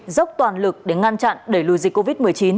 dốc toàn lực để ngăn chặn đẩy lùi dịch covid một mươi chín